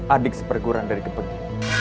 adik seperguruan dari gepengi